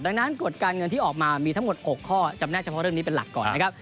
ดังนั้นกฎการเงินที่ออกมามีทั้งหมด๖ข้อจำแนกเฉพาะเรื่องนี้เป็นหลักก่อนนะครับ